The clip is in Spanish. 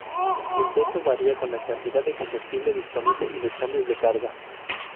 El peso varía con la cantidad de combustible disponible y los cambios de carga.